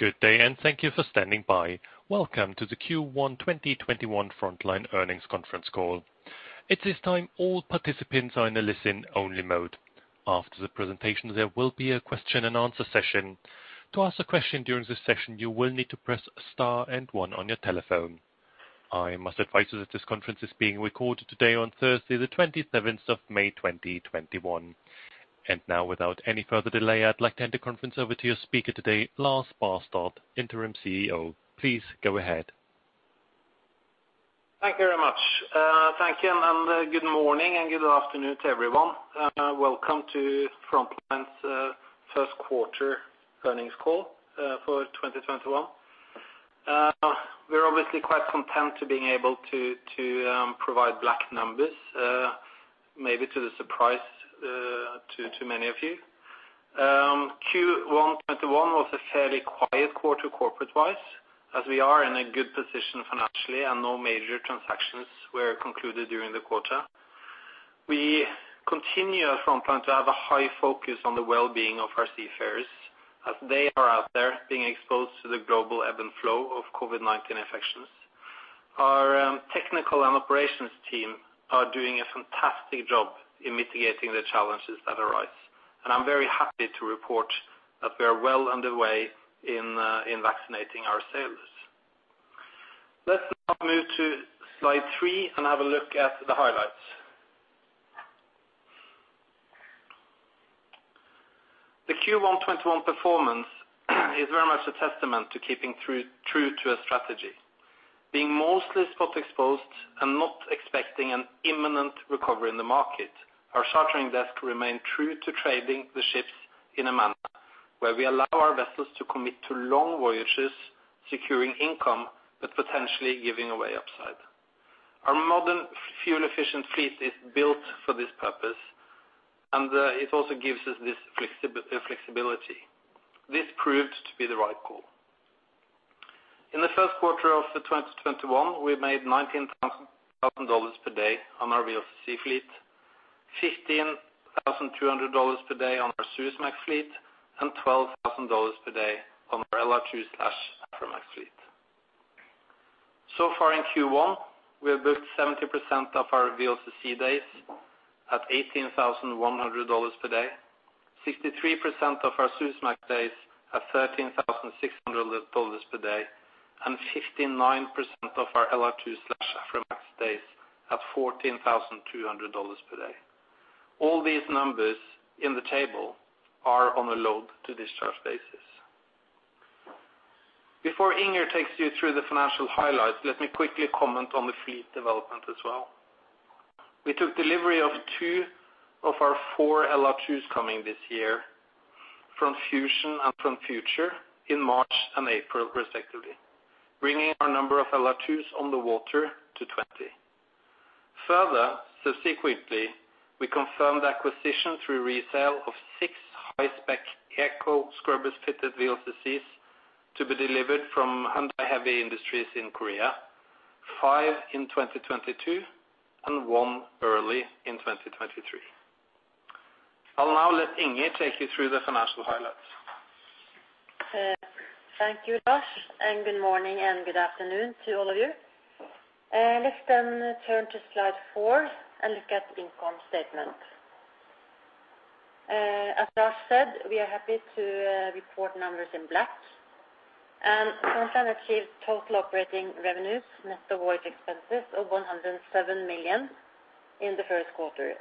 Good day and thank you for standing by. Welcome to the Q1 2021 Frontline Earnings Conference Call. At this time, all participants are in a listen-only mode. After the presentation, there will be a question-and-answer session. To ask a question during this session, you will need to press star and one on your telephone. I must advise you that this conference is being recorded today on Thursday, the 27th of May 2021. Now, without any further delay, I'd like to hand the conference over to your speaker today, Lars Barstad, Interim CEO. Please go ahead. Thank you very much. Thank you, and good morning, and good afternoon to everyone. Welcome to Frontline's first quarter earnings call for 2021. We're obviously quite content being able to provide black numbers, maybe to the surprise to many of you. Q1 2021 was a fairly quiet quarter corporate-wise, as we are in a good position financially and no major transactions were concluded during the quarter. We continue at Frontline to have a high focus on the wellbeing of our seafarers as they are out there being exposed to the global ebb and flow of COVID-19 infections. Our technical and operations team are doing a fantastic job in mitigating the challenges that arise, and I'm very happy to report that we are well underway in vaccinating our sailors. Let's now move to slide three and have a look at the highlights. The Q1 2021 performance is very much a testament to keeping true to our strategy. Being mostly spot exposed and not expecting an imminent recovery in the market, our chartering desk remained true to trading the ships in a manner where we allow our vessels to commit to long voyages, securing income, but potentially giving away upside. Our modern fuel-efficient fleet is built for this purpose and it also gives us this flexibility. This proves to be the right call. In the first quarter of 2021, we made $19,000 per day on our VLCC fleet, $15,200 per day on our Suezmax fleet, and $12,000 per day on our LR2/Aframax fleet. Far in Q1, we have booked 70% of our VLCC days at $18,100 per day, 63% of our Suezmax days at $13,600 per day, and 59% of our LR2/Aframax days at $14,200 per day. All these numbers in the table are on a load-to-discharge basis. Before Inger takes you through the financial highlights, let me quickly comment on the fleet development as well. We took delivery of two of our four LR2s coming this year from Fusion and from Future in March and April respectively, bringing our number of LR2s on the water to 20. Further, subsequently, we confirmed acquisitions through resale of 6 high-spec eco scrubbers-fitted VLCCs to be delivered from Hyundai Heavy Industries in Korea, five in 2022 and one early in 2023. I'll now let Inger take you through the financial highlights. Thank you, Lars. Good morning and good afternoon to all of you. Let's turn to slide four and look at the income statement. As Lars said, we are happy to report numbers in black. Frontline achieved total operating revenues less voyage expenses of $107 million in the first quarter.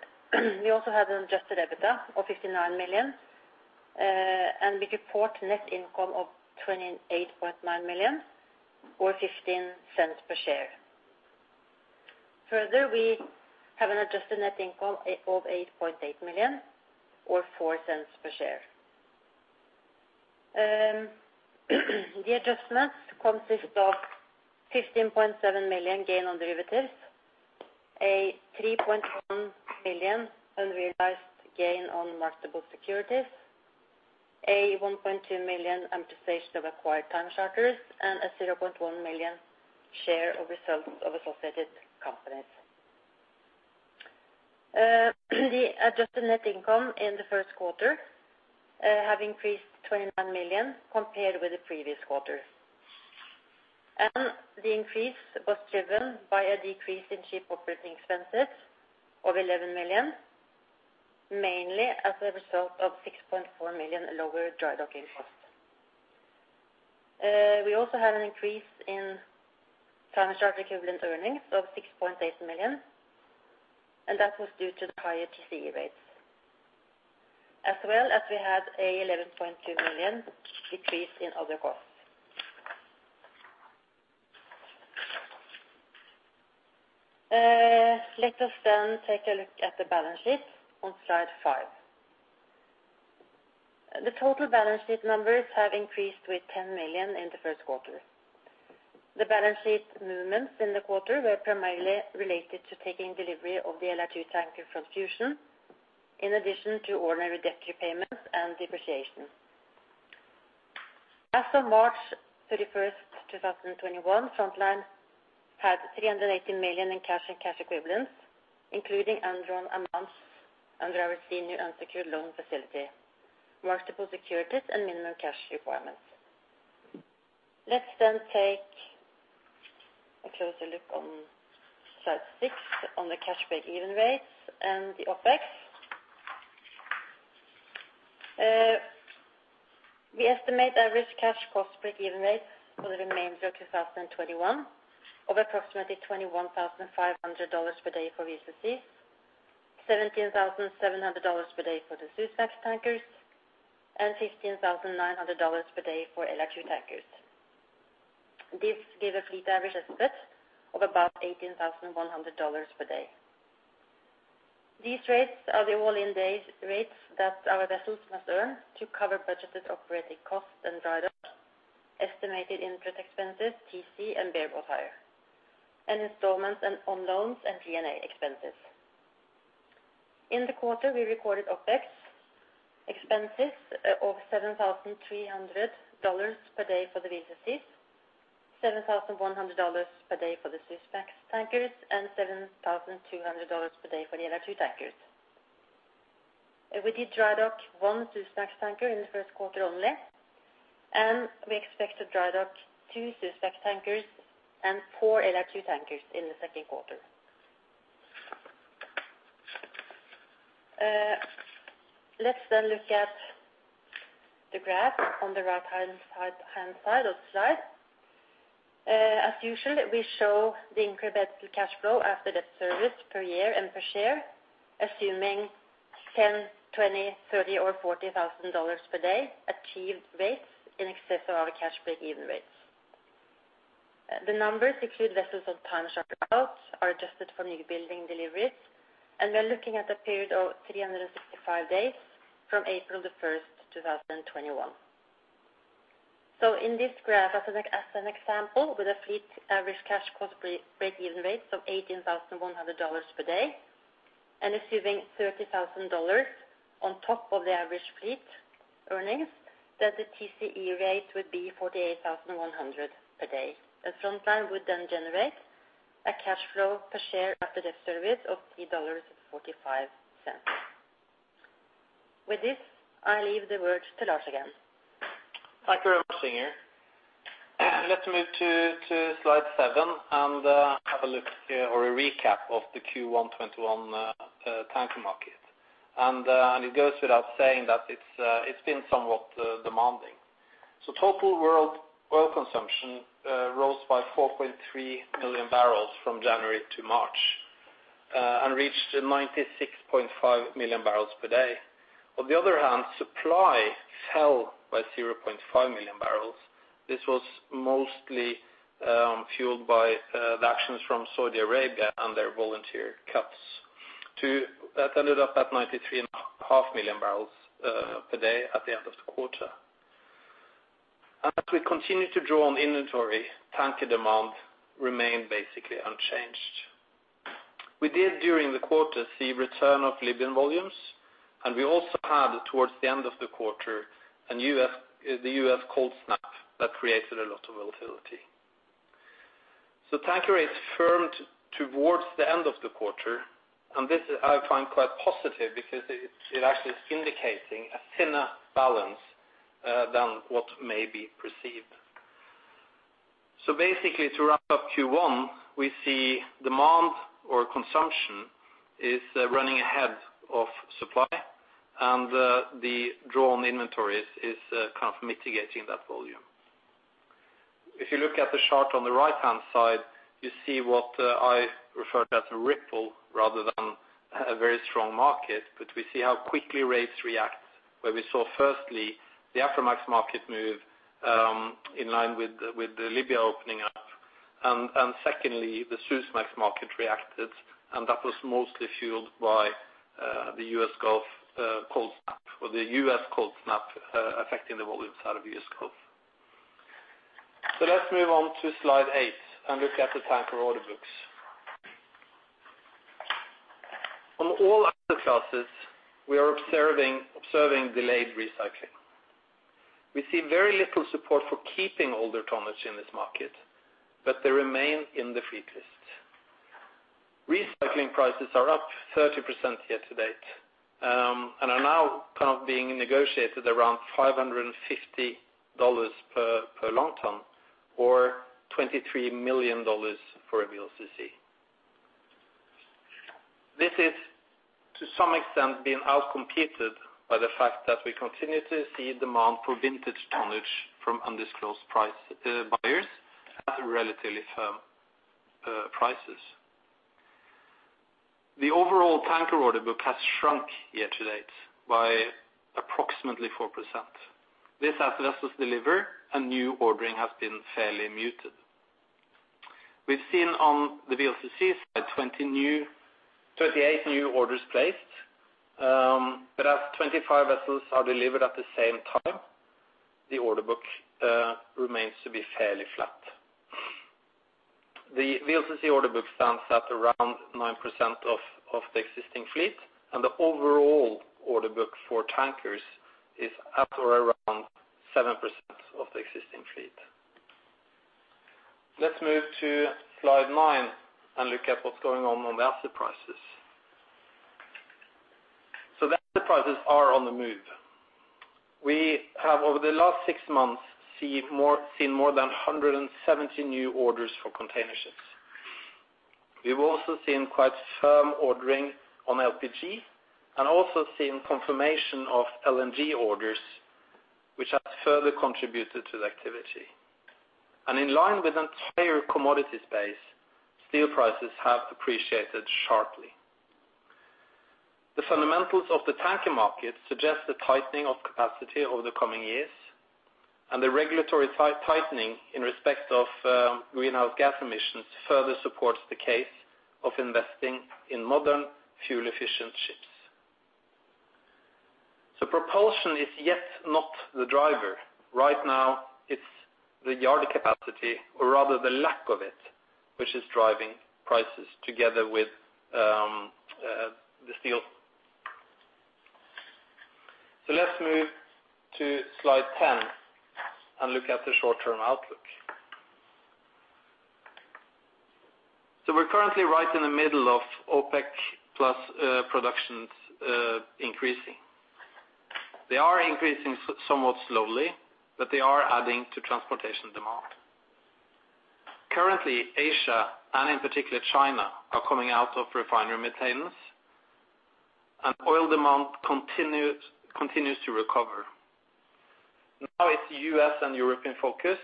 We also had an adjusted EBITDA of $59 million, and we report net income of $28.9 million or $0.15 per share. Further, we have an adjusted net income of $8.8 million or $0.04 per share. The adjusted net consists of $15.7 million gain on derivatives, a $3.1 million unrealized gain on marketable securities, a $1.2 million amortization of acquired time charters, and a $0.1 million share of results of associated companies. The adjusted net income in the first quarter have increased $21 million compared with the previous quarter. The increase was driven by a decrease in ship operating expenses of $11 million, mainly as a result of $6.4 million in lower dry docking costs. We also had an increase in time charter equivalent earnings of $6.8 million, that was due to the higher TCE rates. We had a $11.2 million decrease in other costs. Let us take a look at the balance sheet on slide five. The total balance sheet numbers have increased with $10 million in the first quarter. The balance sheet movements in the quarter were primarily related to taking delivery of the LR2 tanker from Fusion, in addition to ordinary debt repayments and depreciation. As of March 31st, 2021, Frontline had $380 million in cash and cash equivalents, including undrawn amounts under our senior unsecured loan facility, marketable securities and minimum cash requirements. Let's then take a closer look on slide six on the cash break-even rates and the OpEx. We estimate average cash cost break-even rates for the remainder of 2021 of approximately $21,500 per day for VLCCs, $17,700 per day for the Suezmax tankers, and $15,900 per day for LR2 tankers. This give a fleet average estimate of about $18,100 per day. These rates are the all-in rates that our vessels must earn to cover budgeted operating costs and dry dock, estimated interest expenses, TC and bareboat hire, and installments and on loans and G&A expenses. In the quarter, we recorded OpEx expenses of $7,300 per day for the VLCCs, $7,100 per day for the Suezmax tankers, and $7,200 per day for the LR2 tankers. We did dry dock one Suezmax tanker in the first quarter only, and we expect to dry dock two Suezmax tankers and four LR2 tankers in the second quarter. Let's look at the graph on the right-hand side of the slide. As usual, we show the incremental cash flow after debt service per year and per share, assuming $10,000, $20,000, $30,000 or $40,000 per day achieved rates in excess of our cash break-even rates. The numbers include vessels on time charter equivalent are adjusted for new building deliveries, and we are looking at a period of 365 days from April 1st, 2021. In this graph, as an example, with a fleet average cash cost break-even rates of $18,100 per day and assuming $30,000 on top of the average fleet earnings, that the TCE rate would be $48,100 per day and Frontline would then generate a cash flow per share after debt service of $3.45. With this, I leave the words to Lars again. Thank you very much, Inger. Let's move to slide seven and have a look or a recap of the Q1 2021 tanker market. It goes without saying that it's been somewhat demanding. Total world oil consumption rose by 4.3 million bbl from January to March and reached 96.5 MMbpd. On the other hand, supply fell by 500,000 bbl. This was mostly fueled by the actions from Saudi Arabia and their volunteer cuts. That ended up at 93.5 MMbpd at the end of the quarter. As we continue to draw on inventory, tanker demand remained basically unchanged. We did during the quarter see return of Libyan volumes, and we also had towards the end of the quarter the U.S. cold snap that created a lot of volatility. Tanker rates firmed towards the end of the quarter, and this I find quite positive because it actually is indicating a thinner balance than what may be perceived. Basically, to wrap up Q1, we see demand or consumption is running ahead of supply and the drawn inventories is kind of mitigating that volume. If you look at the chart on the right-hand side, you see what I refer to as a ripple rather than a very strong market. We see how quickly rates react, where we saw firstly, the Aframax market move in line with the Libya opening up. Secondly, the Suezmax market reacted, and that was mostly fueled by the U.S. Gulf cold snap or the U.S. cold snap affecting the volumes out of U.S. Gulf. Let's move on to slide eight and look at the tanker order books. On all asset classes, we are observing delayed recycling. We see very little support for keeping older tonnage in this market, but they remain in the fleet list. Recycling prices are up 30% year to date and are now kind of being negotiated around $550 per long ton or $23 million for a VLCC. This is to some extent being outcompeted by the fact that we continue to see demand for vintage tonnage from undisclosed buyers at relatively firm prices. The overall tanker order book has shrunk year to date by approximately 4%. This as vessels deliver and new ordering has been fairly muted. We've seen on the VLCC side 38 new orders placed. As 25 vessels are delivered at the same time, the order book remains to be fairly flat. The VLCC order book stands at around 9% of the existing fleet, and the overall order book for tankers is at or around 7% of the existing fleet. Let's move to slide nine and look at what's going on with asset prices. The asset prices are on the move. We have, over the last six months, seen more than 170 new orders for container ships. We've also seen quite firm ordering on LPG and also seen confirmation of LNG orders, which has further contributed to the activity. In line with the entire commodity space, steel prices have appreciated sharply. The fundamentals of the tanker market suggest a tightening of capacity over the coming years, and the regulatory side tightening in respect of greenhouse gas emissions further supports the case of investing in modern fuel-efficient ships. Propulsion is yet not the driver. Right now, it's the yard capacity or rather the lack of it, which is driving prices together with the steel. Let's move to slide 10 and look at the short-term outlook. We're currently right in the middle of OPEC plus productions increasing. They are increasing somewhat slowly, but they are adding to transportation demand. Currently, Asia, and in particular China, are coming out of refinery maintenance, and oil demand continues to recover. Now it's U.S. and European focus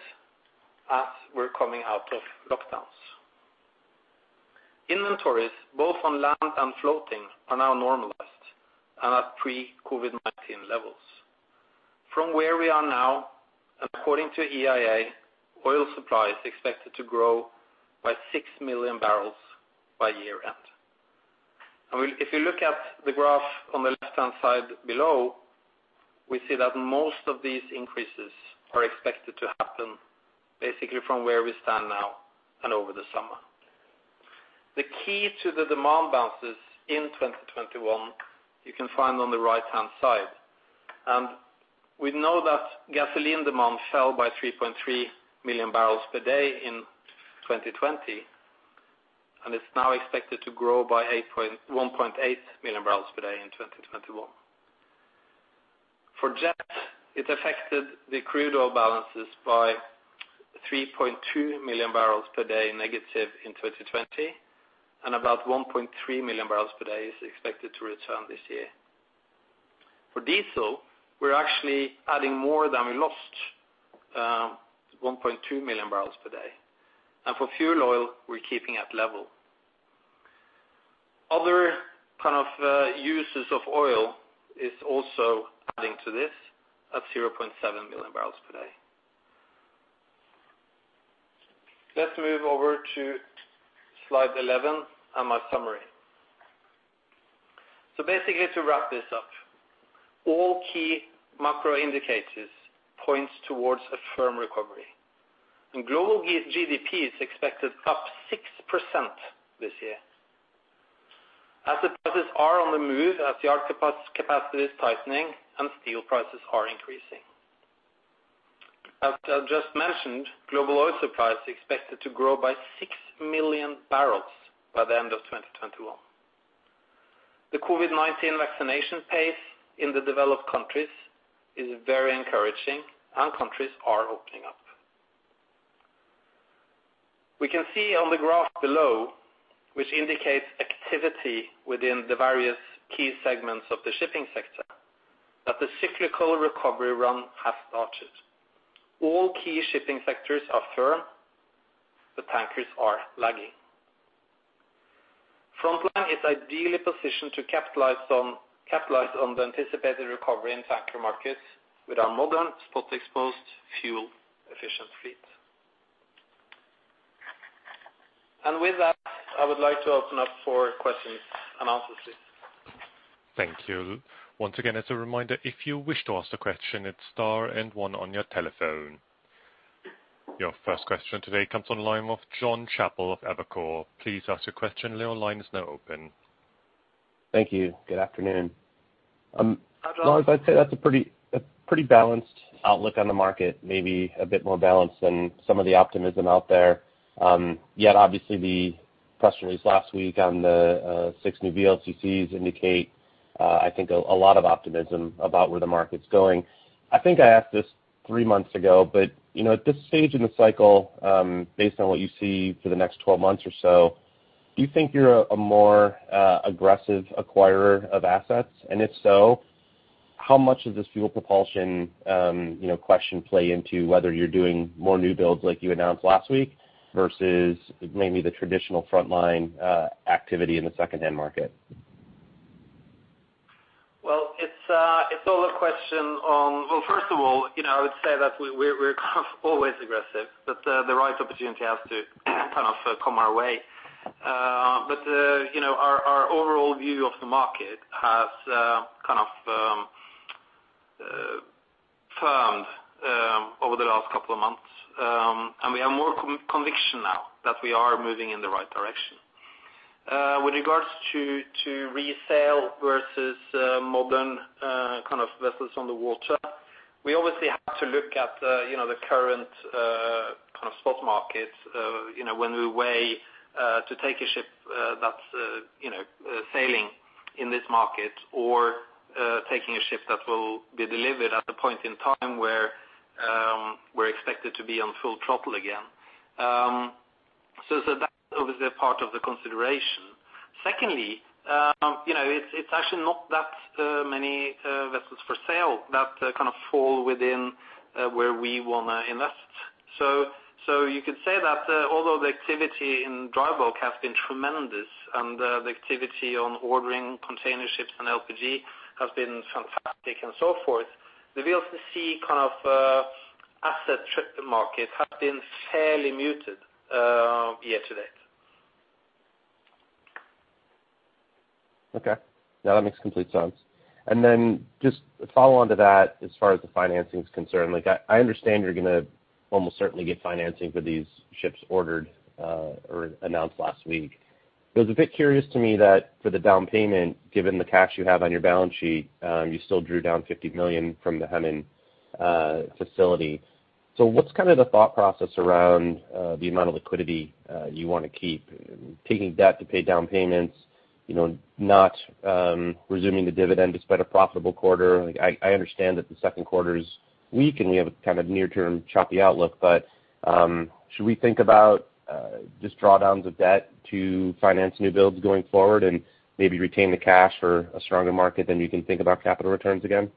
as we're coming out of lockdowns. Inventories, both on land and floating, are now normalized and at pre-COVID-19 levels. From where we are now, according to EIA, oil supply is expected to grow by 6 million bbl by year-end. If you look at the graph on the left-hand side below, we see that most of these increases are expected to happen basically from where we stand now and over the summer. The key to the demand balances in 2021, you can find on the right-hand side. We know that gasoline demand fell by 3.3 MMbpd in 2020, and it's now expected to grow by 1.8 MMbpd in 2021. For jet, it affected the crude oil balances by 3.2 MMbpd negative in 2020, and about 1.3 MMbpd is expected to return this year. For diesel, we're actually adding more than we lost, 1.2 MMbpd. For fuel oil, we're keeping at level. Other kind of uses of oil is also adding to this at 0.7 MMbpd. Let's move over to slide 11 and my summary. Basically to wrap this up, all key macro indicators point towards a firm recovery. Global GDP is expected up 6% this year. Asset prices are on the move as yard capacity is tightening and steel prices are increasing. As I just mentioned, global oil supply is expected to grow by 6 million bbl by the end of 2021. The COVID-19 vaccination pace in the developed countries is very encouraging and countries are opening up. We can see on the graph below, which indicates activity within the various key segments of the shipping sector, that the cyclical recovery run has started. All key shipping sectors are firm, but tankers are lagging. Frontline is ideally positioned to capitalize on the anticipated recovery in tanker markets with our modern, spot-exposed, fuel-efficient fleet. With that, I would like to open up for questions and answers. Thank you. Once again, as a reminder, if you wish to ask a question, it is star and one on your telephone. Your first question today comes on the line of Jon Chappell of Evercore. Please ask a question. Your line is now open. Thank you. Good afternoon. Hello. Jon, I'd say that's a pretty balanced outlook on the market, maybe a bit more balanced than some of the optimism out there. Obviously, the press release last week on the six new VLCCs indicate, I think, a lot of optimism about where the market's going. I think I asked this three months ago, at this stage in the cycle, based on what you see for the next 12 months or so, do you think you're a more aggressive acquirer of assets? If so, how much of the fuel propulsion question play into whether you're doing more new builds like you announced last week versus maybe the traditional Frontline activity in the secondhand market? Well, first of all, I would say that we're always aggressive, but the right opportunity has to also come our way. Our overall view of the market has. Over the last couple of months. We are more conditioned now that we are moving in the right direction. With regards to resale versus modern vessels on the water, we obviously have to look at the current spot market, when we weigh to take a ship that's sailing in this market or taking a ship that will be delivered at a point in time where we're expected to be on full throttle again. That's obviously a part of the consideration. Secondly, it's actually not that many vessels for sale that kind of fall within where we want to invest. You could say that although the activity in dry bulk has been tremendous, and the activity on ordering container ships and LPG has been fantastic and so forth, we also see asset play markets have been fairly muted year to date. Okay. No, it makes complete sense. Just to follow on to that, as far as the financing is concerned, I understand you're going to almost certainly get financing for these ships ordered or announced last week. It was a bit curious to me that for the down payment, given the cash you have on your balance sheet, you still drew down $50 million from the Hemen facility. What's the thought process around the amount of liquidity you want to keep, taking debt to pay down payments, not resuming the dividend despite a profitable quarter? I understand that the second quarter is weak, and we have a kind of near-term choppy outlook, should we think about just drawdowns of debt to finance new builds going forward and maybe retain the cash for a stronger market than you think about capital returns again?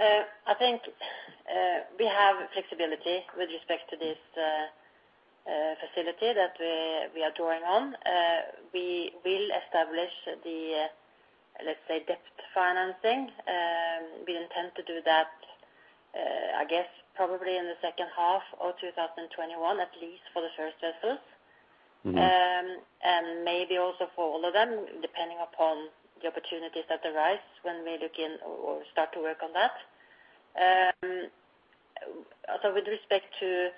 I think we have flexibility with respect to this facility that we are drawing on. We will establish the, let's say, debt financing. We intend to do that, I guess probably in the second half of 2021, at least for the first vessels. Maybe also for all of them, depending upon the opportunities that arise when we begin or start to work on that. With respect to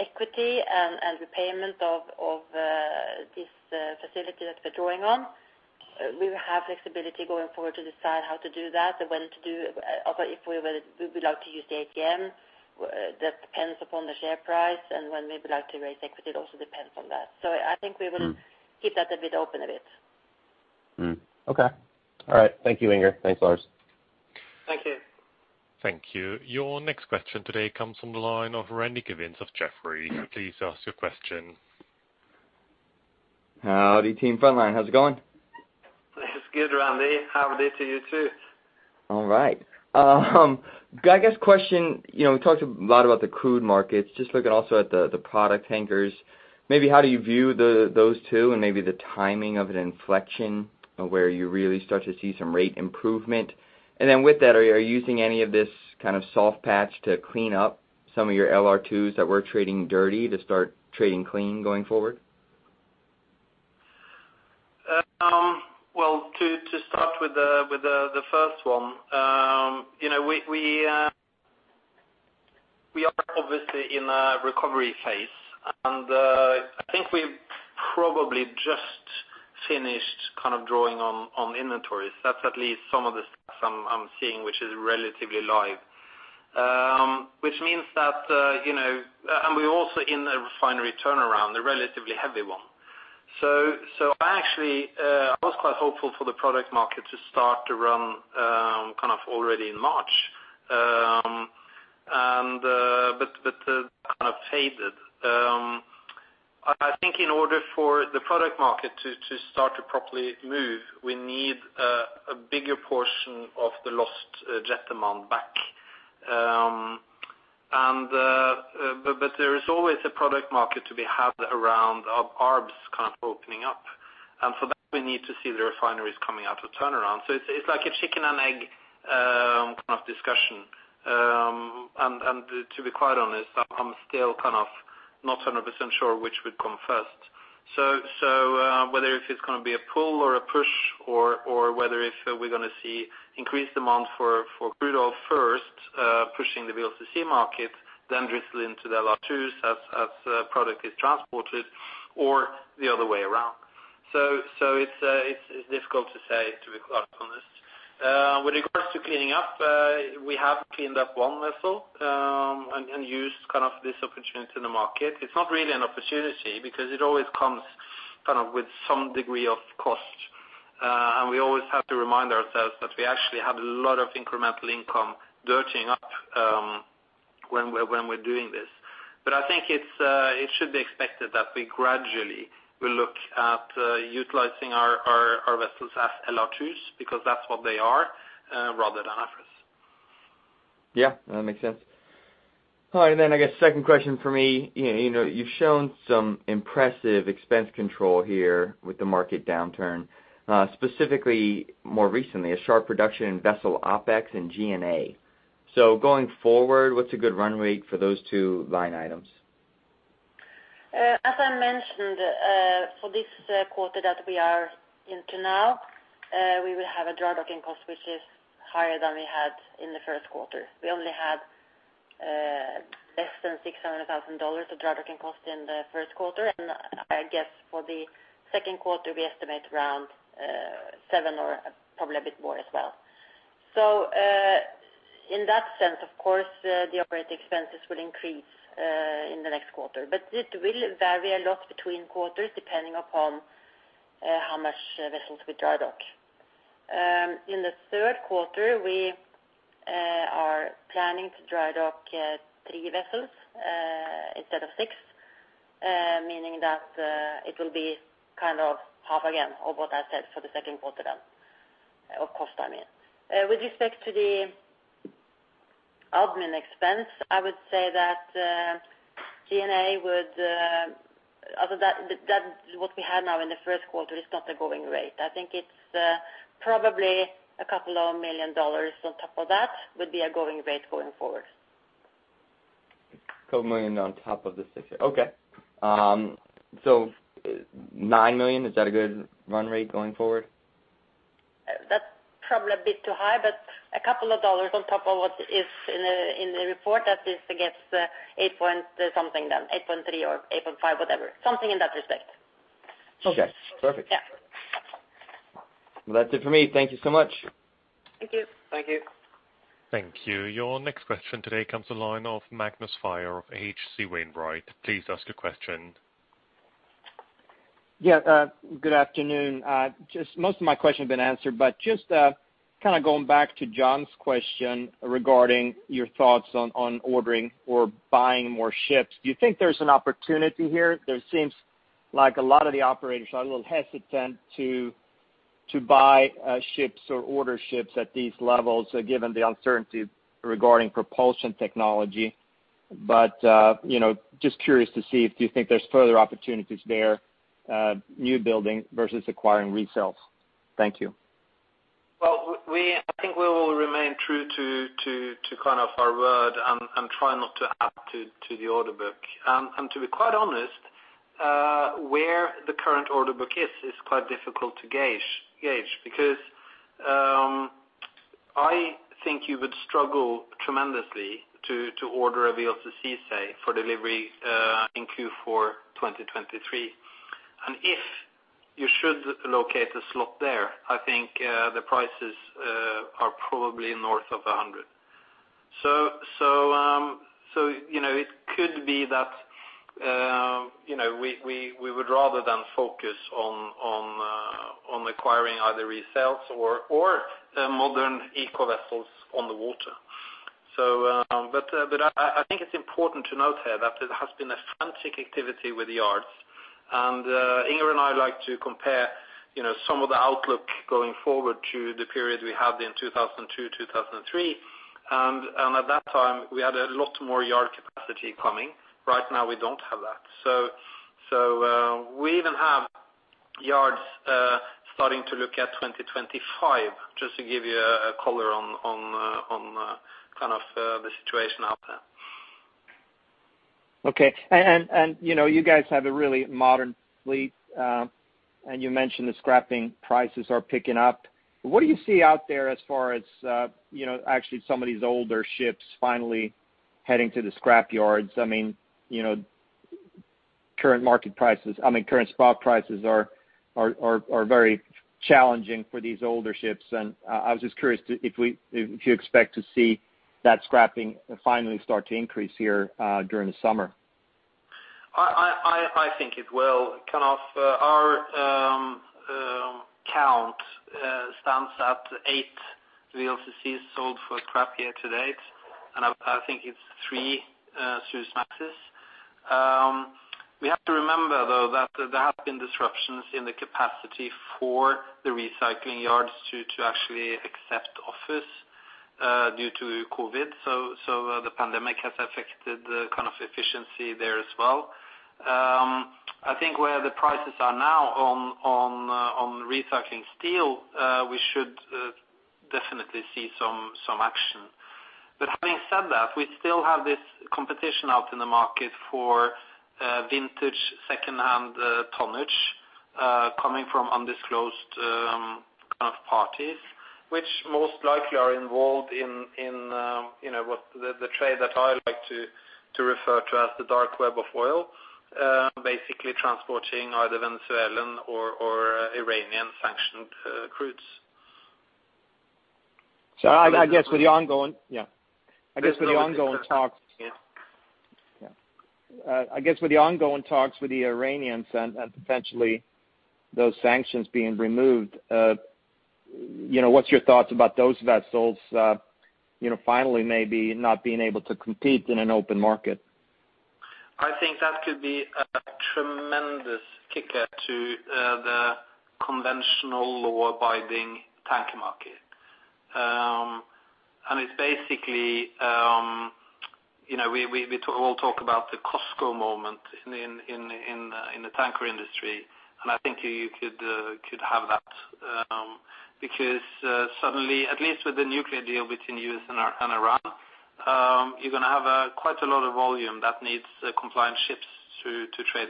equity and the payment of this facility that we're drawing on, we have flexibility going forward to decide how to do that and when to do. If we would like to use ATM, that depends upon the share price, and when we would like to raise equity also depends on that. I think we will keep that a bit open. Okay. All right. Thank you, Inger. Thanks a lot. Thank you. Thank you. Your next question today comes from the line of Randy Giveans of Jefferies. Please ask your question. Howdy, team Frontline. How's it going? It's good, Randy. How are you doing too? All right. I guess the question, we talked a lot about the crude markets, just looking also at the product tankers. Maybe how do you view those two and maybe the timing of an inflection of where you really start to see some rate improvement? Then with that, are you using any of this kind of soft patch to clean up some of your LR2s that were trading dirty to start trading clean going forward? Well, to start with the first one. We are obviously in a recovery phase, and I think we've probably just finished drawing on inventories. That's at least some of the stats I'm seeing, which is relatively live. We're also in the refinery turnaround, the relatively heavy one. Actually, I was quite hopeful for the product market to start to run already in March, but that faded. I think in order for the product market to start to properly move, we need a bigger portion of the lost jet demand back. There is always a product market to be had around Arbs opening up. For that, we need to see the refineries coming out of turnaround. It's like a chicken and egg kind of discussion. To be quite honest, I'm still not 100% sure which would come first. Whether it's going to be a pull or a push or whether we're going to see increased demand for crude oil first, pushing the VLCC market, then drizzle into the LR2s as product is transported, or the other way around. It's difficult to say, to be quite honest. With regards to cleaning up, we have cleaned up one vessel, and used this opportunity in the market. It's not really an opportunity because it always comes with some degree of cost. We always have to remind ourselves that we actually have a lot of incremental income lurking up when we're doing this. I think it should be expected that we gradually will look at utilizing our vessels as LR2s because that's what they are, rather than Afras. Yeah, that makes sense. All right, I guess second question from me. You've shown some impressive expense control here with the market downturn, specifically more recently, a sharp reduction in vessel OpEx and G&A. Going forward, what's a good run rate for those two line items? As I mentioned, for this quarter that we are into now, we will have a dry docking cost which is higher than we had in the first quarter. We only had less than $600,000 of dry docking cost in the first quarter. I guess for the second quarter, we estimate around $700,000 or probably a bit more as well. In that sense, of course, the operating expenses will increase in the next quarter. It will vary a lot between quarters depending upon how much vessels we dry dock. In the third quarter, we are planning to dry dock three vessels instead of six, meaning that it will be kind of half again of what I said for the second quarter, of cost, I mean. With respect to the admin expense, I would say that G&A, what we have now in the first quarter, is not a going rate. I think it's probably a couple of million dollars on top of that would be a going rate going forward. A couple of million on top of the $6 million. Okay. $9 million, is that a good run rate going forward? That's probably a bit too high, but a couple of dollars on top of what is in the report that is against eight-point something then, $8.3 million or $8.5 million, whatever. Something in that respect. Okay, perfect. Yeah. That's it for me. Thank you so much. Thank you. Thank you. Thank you. Your next question today comes the line of Magnus Fyhr of H.C. Wainwright. Please ask your question. Yeah, good afternoon. Most of my question has been answered, but just kind of going back to Jon's question regarding your thoughts on ordering or buying more ships. Do you think there's an opportunity here? There seems like a lot of the operators are a little hesitant to buy ships or order ships at these levels, given the uncertainty regarding propulsion technology. Just curious to see if you think there's further opportunities there, new building versus acquiring resales. Thank you. Well, I think we will remain true to kind of our word and try not to add to the order book. To be quite honest, where the current order book is quite difficult to gauge because I think you would struggle tremendously to order a VLCC, say, for delivery in Q4 2023. If you should locate a slot there, I think the prices are probably north of $100. It could be that we would rather then focus on acquiring either resales or modern eco vessels on the water. I think it's important to note here that it has been a frantic activity with the yards. Inger and I like to compare some of the outlook going forward to the period we had in 2002, 2003. At that time, we had a lot more yard capacity coming. Right now we don't have that. We even have yards starting to look at 2025, just to give you a color on kind of the situation out there. Okay. You guys have a really modern fleet, and you mentioned the scrapping prices are picking up. What do you see out there as far as actually some of these older ships finally heading to the scrap yards? Current spot prices are very challenging for these older ships, and I was just curious if you expect to see that scrapping finally start to increase here during the summer. I think it will. Kind of our count stands at eight VLCCs sold for scrap year to date, I think it's three Suezmaxes. We have to remember, though, that there have been disruptions in the capacity for the recycling yards to actually accept offers due to COVID. The pandemic has affected the kind of efficiency there as well. I think where the prices are now on recycling steel, we should definitely see some action. Having said that, we still have this competition out in the market for vintage second-hand tonnage coming from undisclosed kind of parties, which most likely are involved in the trade that I like to refer to as the dark web of oil. Basically transporting either Venezuelan or Iranian sanctioned crudes. I guess with the ongoing talks with the Iranians and potentially those sanctions being removed, what's your thoughts about those vessels finally maybe not being able to compete in an open market? I think that could be a tremendous kicker to the conventional law-abiding tanker market. It's basically we all talk about the Costco moment in the tanker industry, and I think you could have that because suddenly, at least with the nuclear deal between U.S. and Iran, you're going to have quite a lot of volume that needs compliant ships to trade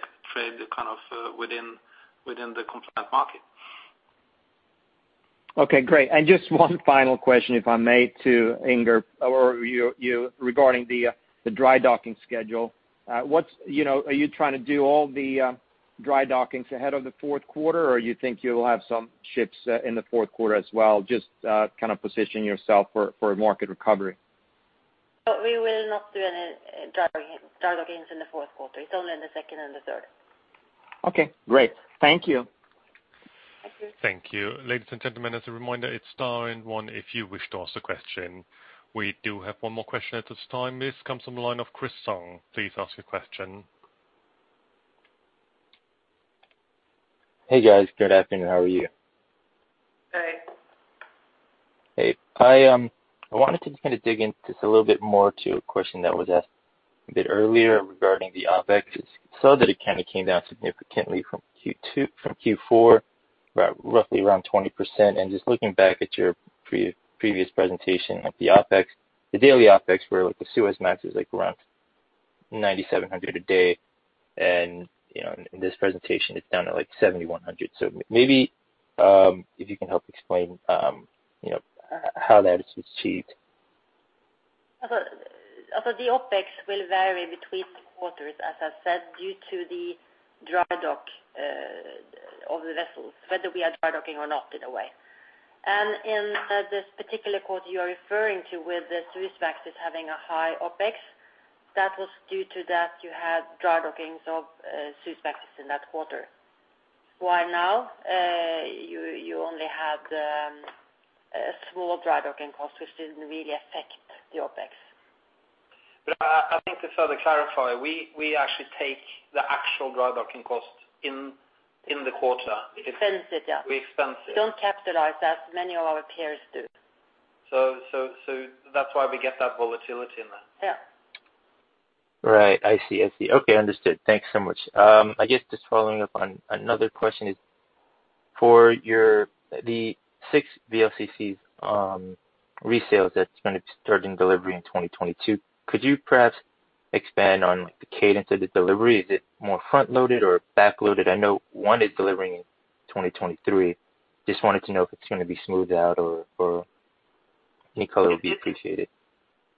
within the compliant market. Okay, great. Just one final question, if I may, to Inger or you, regarding the dry docking schedule. Are you trying to do all the dry dockings ahead of the fourth quarter, or you think you'll have some ships in the fourth quarter as well, just kind of position yourself for a market recovery? No, we will not do any dry dockings in the fourth quarter, it's only in the second and the third. Okay, great. Thank you. Okay. Thank you. Ladies and gentlemen, as a reminder, it is star and one if you wish to ask a question. We do have one more question at this time. This comes from the line of Chris Snyder. Please ask your question. Hey, guys. Good afternoon. How are you? Hey. Hey. I wanted to kind of dig in just a little bit more to a question that was asked a bit earlier regarding the OpEx, because we saw that it kind of came down significantly from Q4, roughly around 20%. Just looking back at your previous presentation of the OpEx, the daily OpEx were with the Suezmax was around $9,700 a day, and in this presentation it's down to like $7,100. Maybe if you can help explain how that is achieved. The OpEx will vary between quarters, as I said, due to the dry dock of the vessels, whether we are dry docking or not, in a way. In this particular quarter you're referring to, where the Suezmax is having a high OpEx, that was due to that you had dry dockings of Suezmaxes in that quarter, while now you only had small dry docking costs, which didn't really affect the OpEx. I think to further clarify, we actually take the actual dry docking cost in the quarter. We expense it down. We expense it. We don't capitalize that. Many of our peers do. That's why we get that volatility in that. Yeah. Right. I see. Okay, understood. Thanks so much. I guess just following up on another question is for the six VLCCs resales that is going to start in delivery in 2022. Could you perhaps expand on the cadence of the delivery? Is it more front-loaded or back-loaded? I know one is delivering in 2023. Just wanted to know if it is going to be smoothed out or any color would be appreciated.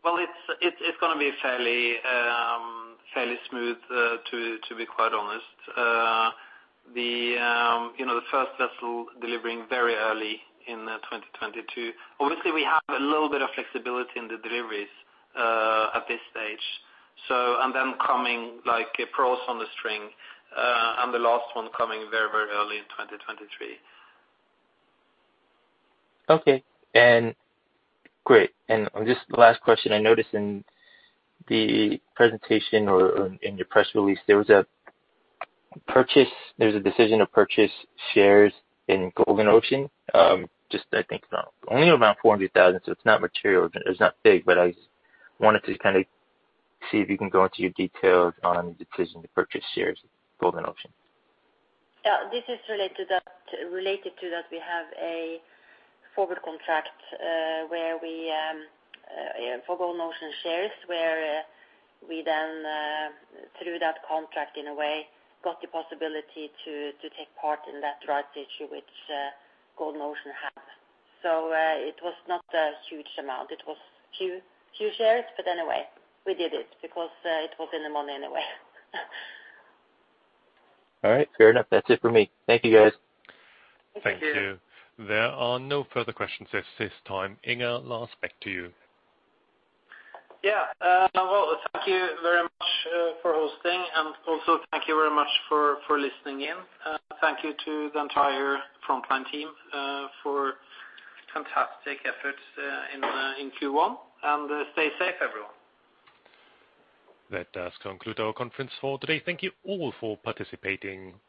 Well, it's going to be fairly smooth, to be quite honest. The first vessel delivering very early in 2022. Obviously, we have a little bit of flexibility in the deliveries at this stage, and them coming like pearls on a string, and the last one coming very early in 2023. Okay. Great. Just the last question, I noticed in the presentation or in the press release, there was a decision to purchase shares in Golden Ocean, just I think only around $400,000, so it's not big, but I wanted to kind of see if you can go into your details on the decision to purchase shares in Golden Ocean. This is related to that we have a forward contract for Golden Ocean shares, where we then, through that contract, in a way, got the possibility to take part in that rights issue which Golden Ocean had. It was not a huge amount, it was two shares, but anyway, we did it because it was in the money in a way. All right, fair enough. That's it for me. Thank you, guys. Thank you. Thank you. There are no further questions at this time. Inger, last back to you. Yeah. Well, thank you very much for hosting, and also thank you very much for listening in. Thank you to the entire Frontline team for fantastic efforts in Q1. Stay safe, everyone. That does conclude our conference call today. Thank you all for participating.